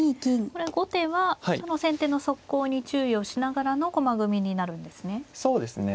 これ後手はその先手の速攻に注意をしながらの駒組みになるんですね。